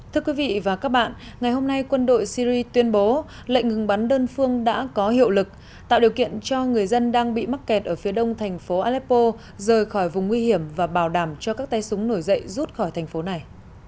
thưa quý vị và các bạn ngày hôm nay quân đội syri tuyên bố lệnh ngừng bắn đơn phương đã có hiệu lực tạo điều kiện cho người dân đang bị mắc kẹt ở phía đông thành phố aleppo rời khỏi vùng nguy hiểm và bảo đảm cho các tay súng nổi dậy rút khỏi thành phố này